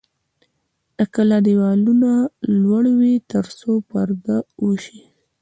د کلا دیوالونه لوړ وي ترڅو پرده وشي.